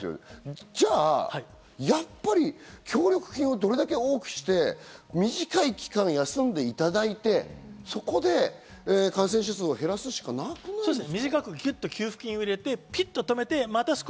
じゃあやっぱり協力金をどれだけ多くして、短い期間休んでいただいてそこで感染者数を減らすしかなくないですか？